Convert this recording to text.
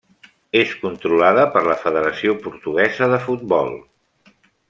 És controlada per la Federació Portuguesa de Futbol.